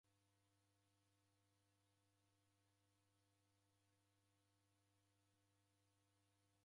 V'indo w'ose w'aelie kwa uo uelie